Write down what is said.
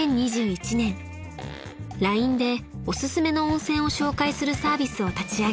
ＬＩＮＥでおすすめの温泉を紹介するサービスを立ち上げ